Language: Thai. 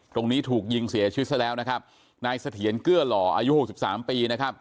ตรงนี้ถูกยิงเสียชีวิตซะแล้วนะครับนายเสถียรเกื้อหล่ออายุหกสิบสามปีนะครับ